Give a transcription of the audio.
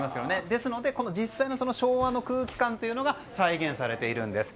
ですので、実際に昭和の空気感というのが再現されているんです。